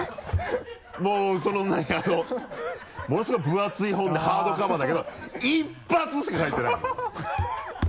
もうなんかあのものすごい分厚い本でハードカバーだけど「一発」しか書いてないの